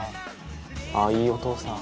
「ああいいお父さん」